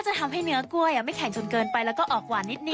จะทำให้เนื้อกล้วยไม่แข็งจนเกินไปแล้วก็ออกหวานนิด